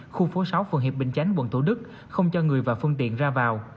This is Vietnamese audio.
khu phố sáu phường hiệp bình chánh quận thủ đức không cho người và phương tiện ra vào